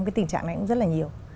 cái tình trạng này cũng rất là nhiều